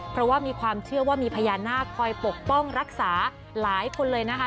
เพราะว่ามีความเชื่อว่ามีพญานาคคอยปกป้องรักษาหลายคนเลยนะคะ